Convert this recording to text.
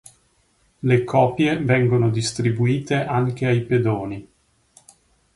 Le copie vengono distribuite anche ai pedoni.